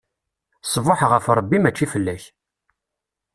Ṣṣbuḥ ɣef Ṛebbi, mačči fell-ak!